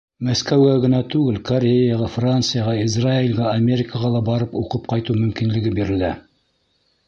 Мәскәүгә генә түгел, Кореяға, Францияға, Израилгә, Америкаға ла барып уҡып ҡайтыу мөмкинлеге бирелә.